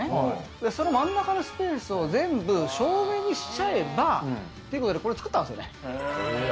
そのまん中のスペースを全部照明にしちゃえばということでこれを作ったんですね。